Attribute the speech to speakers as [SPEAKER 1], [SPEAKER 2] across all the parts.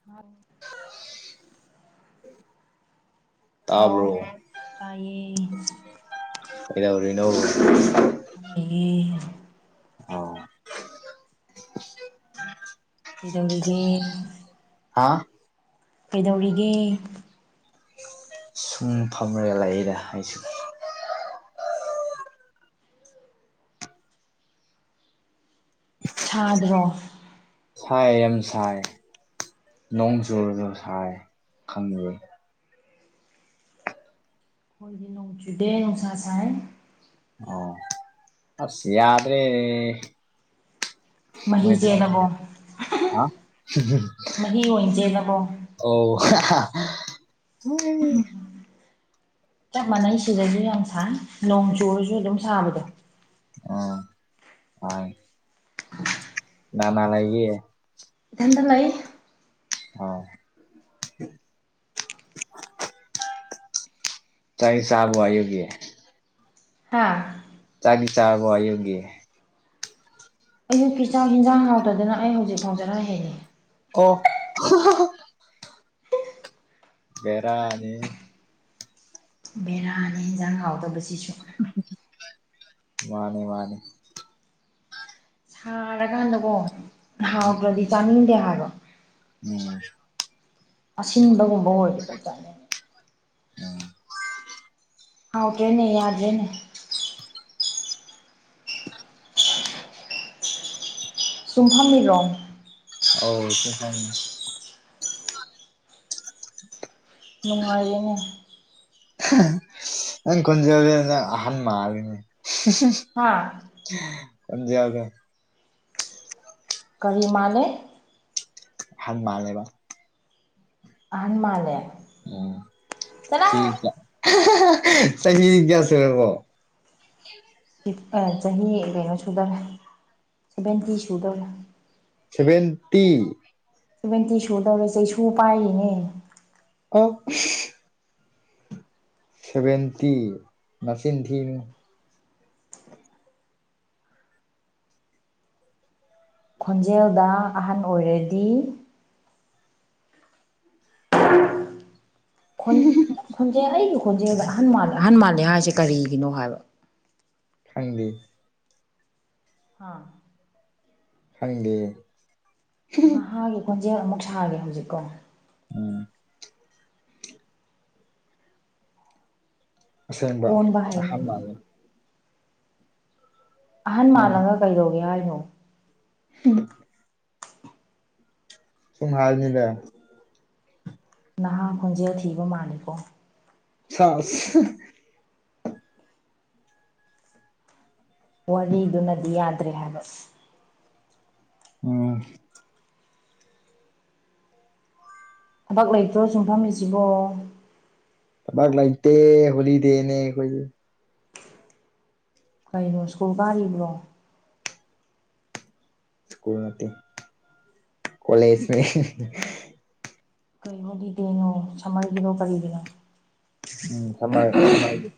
[SPEAKER 1] [unintelligible] hello
[SPEAKER 2] ꯇꯥꯕ꯭ꯔꯣ
[SPEAKER 1] ꯇꯥꯏꯌꯦ
[SPEAKER 2] ꯀꯩꯗꯧꯔꯤꯅꯣ
[SPEAKER 1] [unintelligible]
[SPEAKER 2] ꯑꯣ
[SPEAKER 1] ꯀꯩꯗꯧꯔꯤꯒꯦ
[SPEAKER 2] [unintelligible] ꯍꯥꯥ
[SPEAKER 1] ꯀꯩꯗꯧꯔꯤꯒꯦ
[SPEAKER 2] ꯁꯨꯝ ꯐꯝꯔꯒ ꯂꯩꯏꯗ ꯑꯩꯁꯨ
[SPEAKER 1] ꯁꯥꯗ꯭ꯔꯣ
[SPEAKER 2] ꯁꯥꯏ ꯌꯥꯝ ꯁꯥꯏ ꯅꯣꯡ ꯆꯨꯨꯔꯁꯨ ꯁꯥꯏ ꯈꯪꯗꯦ
[SPEAKER 1] [unintelligible] ꯅꯨꯡꯁ ꯁꯥꯏ
[SPEAKER 2] ꯑꯣ ꯑꯁ ꯌꯥꯗ꯭ꯔꯦꯅꯦ
[SPEAKER 1] ꯃꯍꯤ ꯆꯦꯜꯂꯕꯣ ꯃꯍꯤ ꯑꯣꯏꯅ ꯆꯦꯜꯂꯕꯣ
[SPEAKER 2] [unintelligible] ꯑꯣ [unintelligible]
[SPEAKER 1] ꯆꯞ ꯃꯥꯟꯅꯩ ꯁꯤꯗꯁꯨ ꯌꯥꯝ ꯁꯥꯏ ꯅꯣꯡ ꯆꯨꯔꯁꯨ ꯑꯗꯨꯝ ꯁꯥꯕꯗꯣ
[SPEAKER 2] ꯑꯣ ꯍꯣꯏ ꯀꯅꯥ ꯀꯅꯥ ꯂꯩꯒꯦ
[SPEAKER 1] ꯏꯊꯟꯗ ꯂꯩ
[SPEAKER 2] ꯑꯣ ꯆꯥꯛꯇꯤ ꯆꯥꯔꯕꯣ ꯑꯌꯨꯛꯀꯤ
[SPEAKER 1] ꯍ
[SPEAKER 2] ꯆꯥꯛꯇꯤ ꯆꯥꯔꯕꯣ ꯑꯌꯨꯛꯒꯤ
[SPEAKER 1] ꯑꯌꯨꯛꯀꯤ ꯆꯥꯛ ꯍꯤꯟꯖꯥꯡ ꯍꯥꯎꯇꯗꯅ ꯑꯩ ꯍꯧꯖꯤꯛ ꯐꯥꯎ ꯆꯦꯔ ꯍꯦꯟꯂꯤ
[SPEAKER 2] ꯑꯣ [unintelligible] ꯕꯦꯔꯥꯅꯤꯍꯦ
[SPEAKER 1] ꯕꯦꯔꯥꯅꯤ ꯌꯦꯟꯖꯥꯡ ꯍꯥꯎꯗꯕꯁꯤꯁꯨ
[SPEAKER 2] ꯃꯥꯅꯦ ꯃꯥꯅꯦ
[SPEAKER 1] ꯁꯥꯔꯀꯥꯟꯗꯀꯣ
[SPEAKER 2] ꯎꯝ
[SPEAKER 1] ꯍꯥꯎꯗ꯭ꯔꯗꯤ ꯆꯥꯅꯤꯡꯗꯦ ꯍꯥꯏꯕꯣ
[SPEAKER 2] ꯎꯝ
[SPEAKER 1] ꯑꯁꯤꯟꯕꯒꯨꯝꯕ ꯑꯣꯏꯗꯤ ꯈꯛꯇꯅꯦ ꯑꯒꯦꯅꯤ ꯑꯖꯦꯅꯦ ꯁꯨꯝꯐꯝ ꯃꯤꯔꯣ
[SPEAKER 2] ꯑꯧ ꯐꯝꯃꯤ [unintelligible]
[SPEAKER 1] ꯅꯨꯡꯉꯥꯏꯌꯦꯅꯦ
[SPEAKER 2] ꯅꯪ ꯀꯣꯟꯖꯗ ꯅꯪ ꯑꯍꯟ ꯃꯥꯜꯂꯤꯅꯦ
[SPEAKER 1] ꯍꯥꯥ
[SPEAKER 2] ꯈꯣꯟꯖꯦꯜꯗꯣ
[SPEAKER 1] ꯀꯔꯤꯃꯥꯜꯂꯦ
[SPEAKER 2] ꯍꯥꯟ ꯃꯥꯜꯂꯦꯕ
[SPEAKER 1] ꯑꯍꯟ ꯃꯥꯂꯦ
[SPEAKER 2] ꯑꯣ ꯁꯤ ꯍ ꯀꯁꯨꯔꯕꯣ
[SPEAKER 1] ꯆꯍꯤ ꯀꯩꯅꯣ ꯁꯨꯗꯧꯔꯦ ꯁꯚꯦꯟꯇꯤ ꯁꯨꯗꯧꯔꯦ
[SPEAKER 2] ꯁꯚꯦꯟꯇꯤ
[SPEAKER 1] ꯁꯚꯦꯟꯇꯤ ꯁꯨ ꯇꯧꯔꯁꯦ ꯁꯨ ꯄꯥꯏꯌꯦꯅꯦ
[SPEAKER 2] ꯑꯣ ꯁꯦꯚꯦꯟꯇꯤ ꯃꯆꯤꯟ ꯊꯤꯅꯨ
[SPEAKER 1] ꯈꯣꯟꯖꯦꯜꯗ ꯑꯍꯟ ꯑꯣꯏꯔꯗꯤ ꯈꯣꯟꯖꯦꯜ ꯑꯩꯒꯤ ꯈꯣꯟꯖꯦꯜꯗ ꯑꯍ ꯑꯍꯟ ꯃꯥꯜꯂꯦ ꯍꯥꯏꯁꯦ ꯀꯔꯤꯒꯤꯅꯣ ꯍꯥꯏꯕ
[SPEAKER 2] ꯈꯪꯗꯤ
[SPEAKER 1] ꯍꯥꯥ
[SPEAKER 2] ꯈꯪꯗꯦ
[SPEAKER 1] ꯅꯍꯥꯒꯤ ꯀꯣꯟꯖꯦꯜ ꯑꯃꯨꯛ ꯁꯥꯒꯦ ꯍꯧꯖꯤꯛꯀꯣ
[SPEAKER 2] ꯎꯝ ꯑꯁꯦꯡꯕ
[SPEAKER 1] ꯑꯣꯟꯕ ꯍꯩꯅꯤ
[SPEAKER 2] ꯑꯍꯥꯟꯕꯅꯤ
[SPEAKER 1] ꯑꯍꯟ
[SPEAKER 2] ꯅꯪ
[SPEAKER 1] ꯃꯥꯜꯂꯒ ꯀꯩꯗꯧꯒꯦ ꯍꯥꯏꯔꯤꯅꯣ
[SPEAKER 2] ꯎ ꯁꯨꯝ ꯍꯥꯜꯅꯤꯕ
[SPEAKER 1] ꯅꯍꯥ ꯈꯣꯟꯖꯦꯜ ꯊꯤꯕ ꯃꯥꯜꯂꯦꯀꯣ
[SPEAKER 2] ꯁꯥꯁ
[SPEAKER 1] ꯋꯥꯔꯤꯗꯨꯅꯗꯤ ꯌꯥꯗ꯭ꯔꯦ ꯍꯥꯏꯕ
[SPEAKER 2] ꯎꯟ
[SPEAKER 1] ꯑꯕꯥꯛ ꯂꯩꯇ꯭ꯔꯣ ꯌꯨꯝꯐꯝ ꯏꯖꯤꯕꯣ
[SPEAKER 2] ꯇꯥꯛ ꯂꯩꯇꯦ ꯍꯣꯂꯤꯗꯦꯅꯦ ꯑꯩꯈꯣꯏ
[SPEAKER 1] ꯀꯩꯅꯣ ꯏꯁꯀꯨꯜ ꯀꯥꯔꯤꯕ꯭ꯔꯣ
[SPEAKER 2] ꯁꯀꯨꯜ ꯅꯠꯇꯦ ꯀꯣꯂꯦꯖꯅꯦ
[SPEAKER 1] ꯀꯩ ꯍꯣꯂꯤꯗꯦꯅꯣ ꯁꯃꯃꯦꯒꯤꯔꯥ ꯀꯔꯤꯒꯤꯅꯣ
[SPEAKER 2] ꯎꯝ ꯁꯝꯃꯔ ꯁꯝꯃꯔꯒꯤ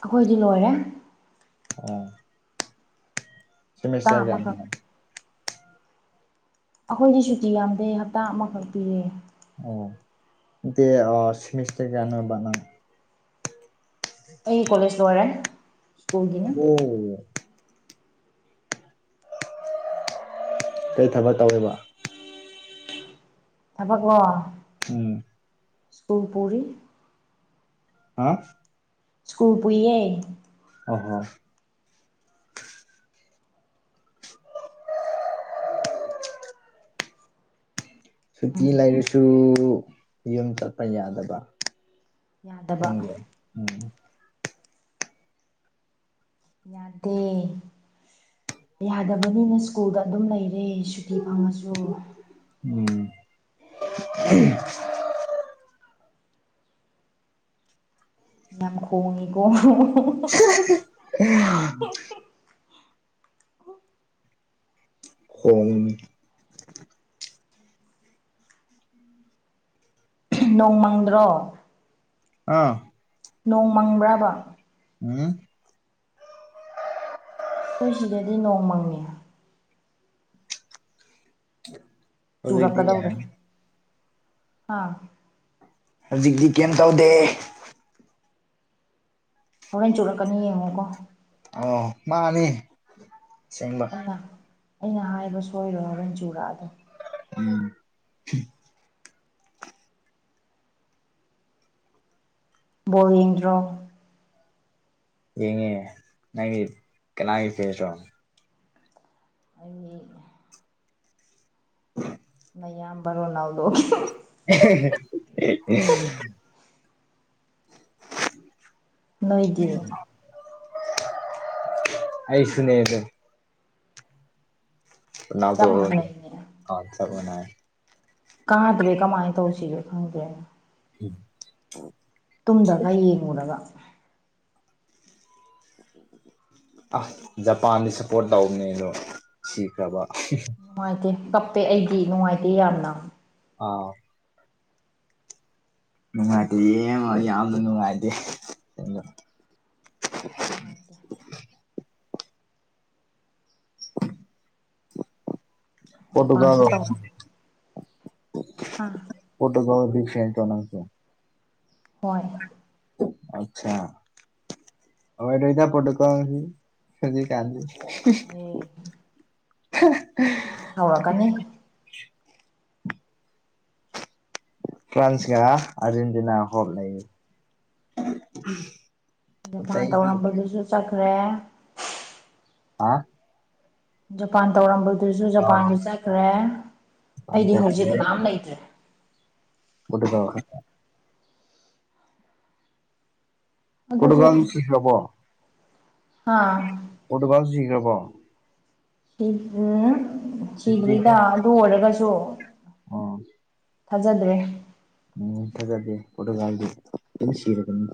[SPEAKER 1] ꯑꯩꯈꯣꯏꯗꯤ ꯂꯣꯏꯔꯦ
[SPEAKER 2] ꯑꯣ
[SPEAKER 1] ꯍꯞꯇꯥ
[SPEAKER 2] ꯁꯦꯃꯤꯁꯇ꯭ꯔ
[SPEAKER 1] ꯑꯃꯈꯛ
[SPEAKER 2] ꯀꯌꯥ
[SPEAKER 1] ꯑꯩꯈꯣꯏꯗꯤ ꯁꯨꯇꯤ ꯌꯥꯝꯗꯦ ꯍꯞꯇꯥ ꯑꯃꯈꯛ ꯄꯤꯔꯦ
[SPEAKER 2] ꯑꯣꯗꯤ ꯁꯤꯃꯤꯁꯇ ꯀꯅ ꯅ
[SPEAKER 1] ꯑꯩ ꯀꯣꯂꯦꯖ ꯂꯣꯏꯔꯦ ꯁ꯭ꯀꯨꯜꯒꯤꯅꯤ
[SPEAKER 2] ꯑꯣ ꯀꯩ ꯊꯕꯛ ꯇꯧꯋꯦꯕ
[SPEAKER 1] ꯊꯕꯥꯛꯂꯣ
[SPEAKER 2] ꯎꯝ
[SPEAKER 1] ꯏꯁ꯭ꯀꯨꯜ ꯄꯨꯔꯤ
[SPEAKER 2] ꯍꯥ
[SPEAKER 1] ꯏꯁꯀꯨꯜ ꯄꯨꯏꯌꯦ
[SPEAKER 2] ꯑꯣ ꯍꯣ
[SPEAKER 1] ꯎꯝ
[SPEAKER 2] ꯁꯨꯇꯤ ꯂꯩꯔꯁꯨ ꯌꯨꯝ ꯆꯠꯄ ꯌꯥꯗꯕ ꯍ
[SPEAKER 1] ꯌꯥꯗꯕ
[SPEAKER 2] ꯎꯝ
[SPEAKER 1] ꯌꯥꯗꯦ ꯌꯥꯗꯕꯅꯤꯅ ꯏꯁ꯭ꯀꯨꯜꯗ ꯑꯗꯨꯝ ꯂꯩꯔꯦ ꯁꯨꯇꯤ ꯐꯪꯉꯁꯨ
[SPEAKER 2] ꯎꯝ
[SPEAKER 1] ꯌꯥꯝ ꯈꯣꯡꯉꯦꯀꯣ
[SPEAKER 2] [inaudible] ꯍ
[SPEAKER 1] ꯅꯣꯡꯃꯪꯗ꯭ꯔꯣ
[SPEAKER 2] ꯑꯥ
[SPEAKER 1] ꯅꯣꯡ ꯃꯪꯕ꯭ꯔꯕ
[SPEAKER 2] ꯎꯝ
[SPEAKER 1] ꯃꯈꯣꯏ ꯁꯤꯗꯗꯤ ꯅꯣꯡ ꯃꯪꯉꯦ
[SPEAKER 2] ꯍ
[SPEAKER 1] ꯆꯨꯔꯛꯀꯗꯧꯔꯦ ꯍꯥꯥ
[SPEAKER 2] ꯍꯧꯖꯤꯛꯇꯤ ꯀꯩꯝ ꯇꯧꯗꯦ
[SPEAKER 1] ꯍꯣꯔꯦꯟ ꯆꯨꯔꯛꯀꯅꯤ ꯌꯦꯡꯉꯣꯀꯣ
[SPEAKER 2] ꯑ ꯃꯥ ꯑꯅꯤ
[SPEAKER 1] ꯑꯩꯅ ꯑꯩꯅ ꯍꯥꯏꯕ ꯁꯣꯏꯔꯣ ꯔꯟꯖꯨꯔꯥꯗꯣ
[SPEAKER 2] ꯎꯝ
[SPEAKER 1] ꯕꯣꯋꯦꯟꯗ꯭ꯔꯣ
[SPEAKER 2] ꯌꯦꯡꯉꯦ ꯅꯪꯒꯤ ꯀꯅꯥꯒꯤ ꯐꯦ ꯆꯣ
[SPEAKER 1] ꯑꯩ ꯃꯌꯥꯝ ꯕꯔꯣꯅꯥꯎꯗꯣ
[SPEAKER 2] [unintelligible]
[SPEAKER 1] ꯅꯣꯏꯗꯤ
[SPEAKER 2] ꯑꯩꯁꯨꯅꯤꯗ
[SPEAKER 1] ꯆꯞ ꯃꯥꯟꯅꯩꯅꯦ
[SPEAKER 2] ꯕꯅ
[SPEAKER 1] ꯀꯥꯗ꯭ꯔꯦ ꯀꯃꯥꯏꯅ ꯇꯧꯁꯤꯒꯣ ꯈꯪꯗ꯭ꯔꯦꯅ
[SPEAKER 2] ꯎꯝ
[SPEAKER 1] ꯇꯨꯝꯗꯒ ꯌꯦꯡꯉꯨꯔꯒ
[SPEAKER 2] [unintelligible] ꯑꯁ ꯖꯄꯥꯟꯗꯤ ꯁꯞꯄꯣꯔꯠ ꯇꯧꯕꯅꯦ ꯑꯗꯣ ꯁꯤꯈ꯭ꯔꯕ
[SPEAKER 1] ꯅꯨꯡꯉꯥꯏꯇꯦ ꯀꯞꯄꯦ ꯑꯩꯗꯤ ꯅꯨꯡꯉꯥꯏꯇꯦ ꯌꯥꯝꯅ
[SPEAKER 2] ꯑ ꯅꯨꯡꯉꯥꯏꯇꯦ ꯌꯦꯡꯉ ꯌꯥꯝꯅ ꯅꯨꯡꯉꯥꯏꯇꯦ
[SPEAKER 1] ꯅꯨꯡꯉꯥꯏꯇꯦ
[SPEAKER 2] ꯄꯣꯇꯨꯒꯜ
[SPEAKER 1] ꯖꯄꯥꯟꯁꯨ ꯑꯝ
[SPEAKER 2] ꯐꯣꯇꯣꯒ꯭ꯔꯤ ꯆꯣꯅꯥꯪꯁꯦ
[SPEAKER 1] ꯍꯣꯏ
[SPEAKER 2] ꯑꯆꯥ ꯑꯣꯥꯏ ꯏ ꯊ ꯄꯣꯠꯨ ꯀꯁꯤ ꯁꯖꯤ ꯀꯥꯟꯁꯤ
[SPEAKER 1] ꯍꯝ
[SPEAKER 2] [unintelligible]
[SPEAKER 1] ꯑꯩ ꯁꯥꯎꯔꯛꯀꯅꯤ
[SPEAKER 2] ꯐ꯭ꯔꯥꯟꯁ ꯀ ꯑꯔꯖꯦꯟꯇꯤꯅꯥ ꯍꯕ ꯂꯩ
[SPEAKER 1] ꯗꯐꯥꯟ
[SPEAKER 2] ꯑꯇꯩꯗꯤ
[SPEAKER 1] ꯇꯧꯔꯝꯕꯗꯨꯁꯨ ꯆꯠꯈ꯭ꯔꯦ
[SPEAKER 2] ꯍꯥ
[SPEAKER 1] ꯖꯄꯥꯟ ꯇꯧꯔꯝꯕꯗꯨꯁꯨ
[SPEAKER 2] ꯑꯥ
[SPEAKER 1] ꯖꯄꯥꯟꯁꯨ ꯆꯠꯈ꯭ꯔꯦ ꯑꯩꯗꯤ
[SPEAKER 2] ꯄꯥꯝꯖꯈ꯭ꯔꯦ
[SPEAKER 1] ꯍꯧꯖꯤꯛꯅꯥꯝ ꯂꯩꯇ꯭ꯔꯦ
[SPEAKER 2] ꯇꯗ
[SPEAKER 1] ꯑꯗꯨꯁꯨ
[SPEAKER 2] ꯀꯠꯒꯟꯁꯨ ꯍꯕꯣ
[SPEAKER 1] ꯑꯥ
[SPEAKER 2] ꯑꯣꯗꯨꯕꯥ ꯁꯤꯈ꯭ꯔꯕꯣ
[SPEAKER 1] ꯎꯝ ꯁꯤꯗ꯭ꯔꯤꯗ ꯑꯗꯨ ꯑꯣꯏꯔꯒꯁꯨ ꯊꯥꯖꯗ꯭ꯔꯦ
[SPEAKER 2] ꯎꯝ ꯊꯖꯗꯦ ꯐꯣꯇꯣꯒꯗꯤ ꯁꯤꯔꯒꯅꯤ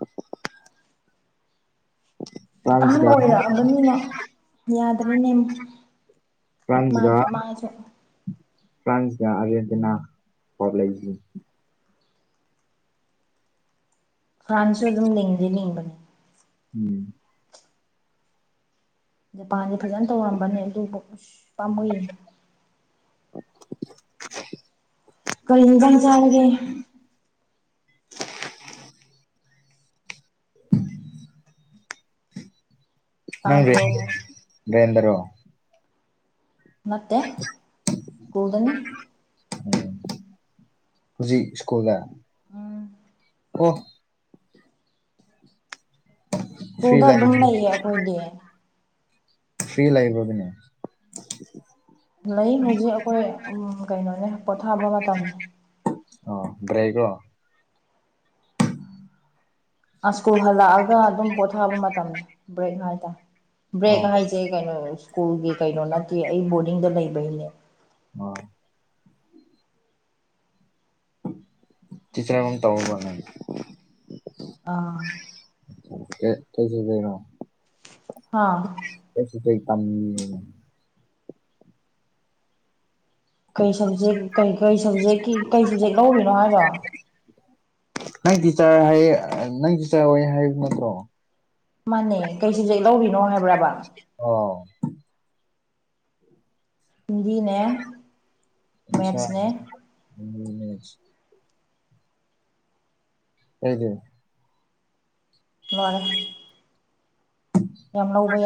[SPEAKER 1] ꯑꯍꯟ
[SPEAKER 2] ꯐ꯭ꯔꯥꯟꯁꯒ
[SPEAKER 1] ꯑꯣꯏꯔꯛꯑꯕꯅꯤꯅ ꯌꯥꯗꯅꯤꯅꯦ ꯃꯥ ꯃꯥꯁ
[SPEAKER 2] ꯐ꯭ꯔꯥꯟꯁ ꯀ ꯑꯔꯖꯦꯟꯇꯤꯅꯥ ꯄꯕ ꯂꯩꯁꯤ
[SPEAKER 1] ꯐ꯭ꯔꯥꯟꯁꯁꯨ ꯑꯗꯨꯝ ꯂꯤꯡꯗꯤꯦ ꯂꯤꯡꯕꯅꯤ
[SPEAKER 2] ꯎꯝ
[SPEAKER 1] ꯖꯄꯥꯟꯁꯦ ꯐꯖꯅ ꯇꯧꯔꯝꯕꯅꯦ ꯑꯗꯨꯕꯨ ꯑ ꯄꯥꯝꯃꯨꯏ
[SPEAKER 2] [unintelligible]
[SPEAKER 1] ꯀꯔꯤ ꯌꯦꯟꯖꯥꯡ ꯆꯥꯔꯒꯦ
[SPEAKER 2] ꯎ ꯅꯪ
[SPEAKER 1] ꯇꯥꯕ꯭ꯔꯣ
[SPEAKER 2] ꯔꯦꯗꯔꯣ
[SPEAKER 1] ꯃꯦ ꯁ꯭ꯀꯨꯜꯗꯅꯤ
[SPEAKER 2] ꯍꯧꯖꯤꯛ ꯁ꯭ꯀꯨꯜꯗ
[SPEAKER 1] ꯎꯝ
[SPEAKER 2] ꯑꯣ ꯐ꯭ꯔꯤ
[SPEAKER 1] ꯁ꯭ꯨꯗ
[SPEAKER 2] ꯂꯩ
[SPEAKER 1] ꯑꯗꯨꯝ ꯂꯩꯌꯦ ꯑꯩꯈꯣꯏꯗꯤ
[SPEAKER 2] ꯐꯔꯤ ꯂꯥꯏꯕ꯭ꯔ ꯑꯗꯨꯅꯦ
[SPEAKER 1] ꯂꯩ ꯍꯧꯖꯤꯛ ꯑꯩꯈꯣꯏ ꯎ ꯀꯩꯅꯣꯅꯦ ꯄꯣꯊꯥꯕ ꯃꯇꯝꯅꯤ
[SPEAKER 2] ꯑꯣ ꯭ꯔꯦꯒꯣ
[SPEAKER 1] ꯁ꯭ꯀꯨꯜ ꯍꯜꯂꯛꯑꯒ ꯑꯗꯨꯝ ꯄꯣꯊꯥꯕ ꯃꯇꯝ ꯕ꯭ꯔꯦꯛ ꯍꯥꯏꯇꯥꯔꯦ ꯕ꯭ꯔꯦꯛ
[SPEAKER 2] ꯑꯣ
[SPEAKER 1] ꯍꯥꯏꯁꯦ ꯀꯩꯅꯣ ꯁ꯭ꯀꯨꯜꯒꯤ ꯀꯩꯅꯣ ꯅꯠꯇꯦ ꯑꯩ ꯕꯣꯔꯗꯤꯡꯗ ꯂꯩꯕꯩꯅꯦ
[SPEAKER 2] ꯑꯣ ꯆꯤꯆ꯭ꯔ ꯑꯃ ꯇꯧ
[SPEAKER 1] ꯑ
[SPEAKER 2] ꯦ ꯀꯩꯁꯔꯣ
[SPEAKER 1] ꯍꯥꯥ
[SPEAKER 2] ꯀꯁꯁꯨ ꯀꯝ
[SPEAKER 1] ꯀꯔꯤ ꯁꯕꯖꯦꯛ ꯀꯩ ꯀꯔꯤ ꯁꯕꯖꯦꯛꯀꯤ ꯀꯩ ꯁꯕꯖꯦꯛ ꯂꯧꯕꯔꯤꯅꯣ ꯍꯥꯏꯔꯣ
[SPEAKER 2] ꯅꯪꯗꯤꯤ ꯆꯥꯔ ꯍꯥꯏꯌꯦ ꯅꯪ ꯆꯤ ꯆꯔ ꯍ ꯍꯥꯏꯕ ꯅꯠꯇ꯭ꯔꯣ
[SPEAKER 1] ꯃꯥꯅꯦ ꯀꯩ ꯁꯖꯦꯛ ꯂꯧꯔꯤꯅꯣ ꯍꯥꯏꯕ꯭ꯔꯕ
[SPEAKER 2] ꯑꯣ
[SPEAKER 1] ꯍꯤꯟꯗꯤꯅꯦ ꯃꯦꯠꯁꯅꯦ
[SPEAKER 2] ꯎꯝ ꯍ ꯍ
[SPEAKER 1] ꯣꯏ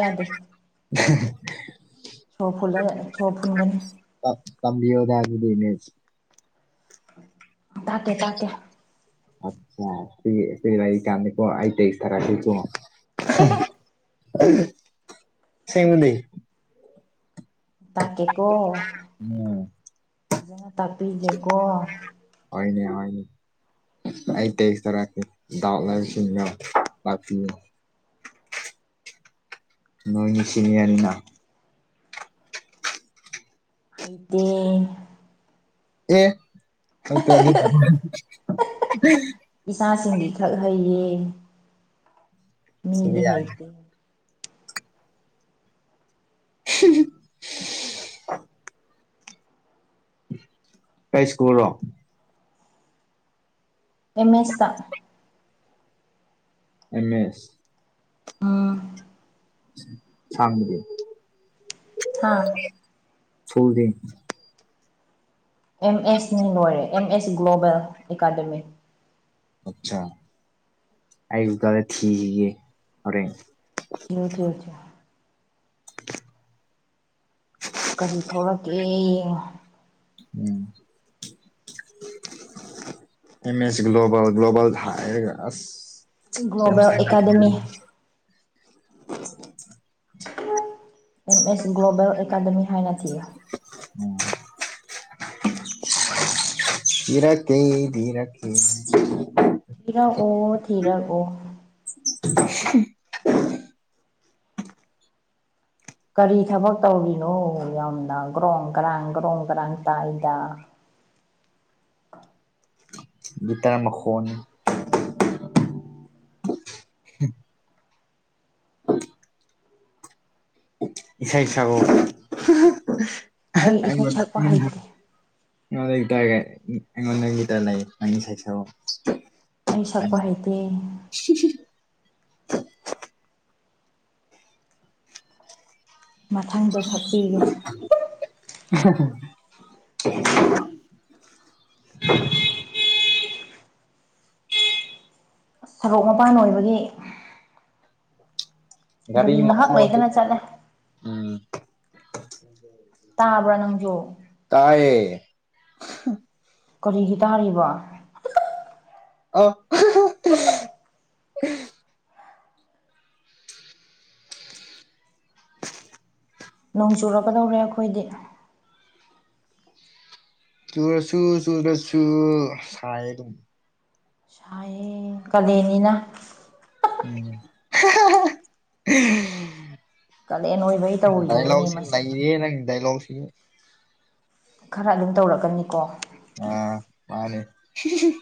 [SPEAKER 1] ꯌꯥꯗꯦ ꯁꯣꯔ ꯐꯨꯜꯂ ꯁꯣꯔ ꯐꯨꯟꯒꯅꯤ
[SPEAKER 2] ꯇꯝꯕ ꯌꯗꯗꯤꯅꯦ
[SPEAKER 1] ꯇꯥꯛꯀꯦ ꯇꯥꯛꯀꯦ
[SPEAKER 2] ꯑꯆꯥ ꯁꯤ ꯁꯤ ꯆꯣ ꯇ ꯑꯩꯁ ꯇꯔ ꯀꯉ ꯁꯤꯃꯤꯗꯤ ꯂꯩ
[SPEAKER 1] ꯇꯥꯛꯀꯦꯀꯣ
[SPEAKER 2] ꯎꯝ
[SPEAKER 1] ꯐꯖꯅ ꯇꯥꯛꯄꯤꯒꯦꯀꯣ
[SPEAKER 2] ꯑꯣꯏꯅꯦꯅꯦ ꯑꯩ ꯇꯦꯛ ꯆꯔꯛꯀꯦ ꯗꯥꯎ ꯂꯕꯁꯤꯡꯒ ꯂꯥꯛꯄꯤ ꯅꯣꯏ ꯃꯤ [unintelligible]
[SPEAKER 1] ꯍꯩꯇꯦ
[SPEAKER 2] [unintelligible] [unintelligible]
[SPEAKER 1] ꯏꯆꯥꯁꯤꯡꯒꯤ ꯈꯛ ꯍꯩꯌꯦ ꯃꯤꯒꯤ
[SPEAKER 2] ꯌꯥꯔꯦ
[SPEAKER 1] ꯍꯩꯇꯦ
[SPEAKER 2] [unintelligible] ꯀꯥꯏꯁꯀꯔꯣ [unintelligible]
[SPEAKER 1] ꯑꯦꯝ ꯑꯦꯁꯇ
[SPEAKER 2] ꯑꯦꯝ ꯑꯦꯁ
[SPEAKER 1] ꯑꯥ
[SPEAKER 2] [unintelligible]
[SPEAKER 1] ꯍ
[SPEAKER 2] [unintelligible]
[SPEAKER 1] ꯑꯦꯝ ꯑꯦꯁꯅꯤ ꯂꯣꯏꯔꯦ ꯑꯦꯝ ꯑꯦꯁ ꯒ꯭ꯂꯣꯕꯦꯜ ꯑꯦꯀꯥꯗꯃꯤ
[SPEAKER 2] ꯑꯆꯥ ꯑꯩꯀꯗ [unintelligible]
[SPEAKER 1] ꯊꯤꯌꯨ ꯊꯤꯌꯨ ꯊꯤꯌꯨ ꯀꯔꯤ ꯊꯧꯔꯥꯛꯀꯦ ꯌꯦꯡꯉꯣ
[SPEAKER 2] ꯎꯝ [unintelligible] ꯑꯦ ꯑꯦꯁ ꯒ꯭ꯂꯣꯕꯜ ꯒ꯭ꯂꯣꯕꯜ ꯊꯔꯑ
[SPEAKER 1] global academy M S global academy ꯍꯥꯏꯅ ꯊꯤꯔꯣ
[SPEAKER 2] ꯍꯔ ꯀꯦꯔꯦ [unintelligible]
[SPEAKER 1] ꯊꯤꯔꯛꯑꯣ ꯊꯤꯔꯛꯑꯣ
[SPEAKER 2] [unintelligible]
[SPEAKER 1] ꯀꯔꯤ ꯊꯕꯛ ꯇꯧꯔꯤꯅꯣ ꯌꯥꯝꯅ ꯒ꯭ꯔꯣꯡ ꯒꯔꯥꯡ ꯒ꯭ꯔꯣꯡ ꯒꯔꯥꯡ ꯇꯥꯏꯗ
[SPEAKER 2] ꯒꯤꯇꯥꯔ ꯃ ꯈꯣꯟꯅꯤ [unintelligible] [unintelligible] ꯏꯁꯩꯁꯛꯑꯣ
[SPEAKER 1] ꯑꯩ ꯏꯁꯩ ꯁꯛꯄ
[SPEAKER 2] [unintelligible]
[SPEAKER 1] ꯍꯩꯇꯦ
[SPEAKER 2] ꯑꯩꯉꯣꯟꯗꯒꯤꯇꯥꯔꯒ ꯑꯩꯉꯣꯟꯗꯒꯤꯇ ꯂꯩ ꯑꯅꯤ ꯁꯩꯁꯛ [unintelligible]
[SPEAKER 1] ꯑꯩ ꯁꯛꯄ ꯍꯩꯇꯦ
[SPEAKER 2] [unintelligible]
[SPEAKER 1] ꯃꯊꯪꯗ ꯁꯛꯄꯤꯒꯦ
[SPEAKER 2] [unintelligible]
[SPEAKER 1] ꯑꯁ ꯁꯣꯔꯣꯛ ꯃꯄꯥꯟ ꯑꯣꯏꯕꯒꯤ ꯒꯥꯔꯤ
[SPEAKER 2] ꯒꯥꯗꯤ
[SPEAKER 1] ꯉꯥꯏꯍꯥꯛ
[SPEAKER 2] ꯃꯈꯣꯟꯗꯤ
[SPEAKER 1] ꯂꯩꯗꯅ ꯆꯠꯂꯦ
[SPEAKER 2] ꯎꯝ
[SPEAKER 1] ꯇꯥꯕ꯭ꯔꯥ ꯅꯪꯁꯨ
[SPEAKER 2] ꯇꯥꯏꯌꯦ
[SPEAKER 1] ꯀꯔꯤꯒꯤ ꯇꯥꯔꯤꯕ
[SPEAKER 2] [unintelligible]
[SPEAKER 1] ꯅꯣꯡ ꯆꯨꯨꯔꯛꯀꯗꯧꯔꯦ ꯑꯩꯈꯣꯏꯗꯤ
[SPEAKER 2] ꯆꯨꯔꯁꯨ ꯆꯨꯗ꯭ꯔꯁꯨ ꯁꯥꯏ ꯑꯗꯨꯝ
[SPEAKER 1] ꯁꯥꯏꯌꯦ ꯀꯂꯦꯟꯅꯤꯅ
[SPEAKER 2] [unintelligible]
[SPEAKER 1] ꯀꯥꯂꯦꯟ ꯑꯣꯏꯕꯩ
[SPEAKER 2] ꯗꯥꯏ
[SPEAKER 1] ꯇꯧꯔꯤꯅꯤꯅꯦ
[SPEAKER 2] ꯂꯣꯛꯁꯤ
[SPEAKER 1] ꯃꯁꯤ
[SPEAKER 2] ꯅꯩꯔꯦꯍꯦ ꯅꯪꯗꯥꯏ ꯂꯣꯛꯁꯤ
[SPEAKER 1] ꯈꯔ ꯑꯗꯨꯝ ꯇꯧꯔꯛꯀꯅꯤꯀꯣ
[SPEAKER 2] ꯑꯥ ꯃꯥꯅꯦ [unintelligible]